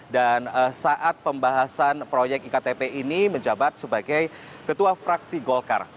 dan saat pembahasan proyek iktp ini menjabat sebagai ketua fraksi golkar